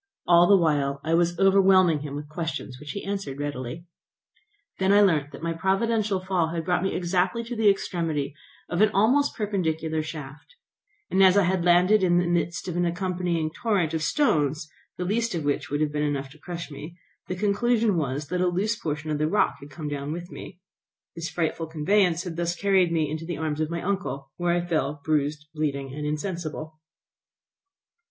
All the while I was overwhelming him with questions which he answered readily. I then learnt that my providential fall had brought me exactly to the extremity of an almost perpendicular shaft; and as I had landed in the midst of an accompanying torrent of stones, the least of which would have been enough to crush me, the conclusion was that a loose portion of the rock had come down with me. This frightful conveyance had thus carried me into the arms of my uncle, where I fell bruised, bleeding, and insensible.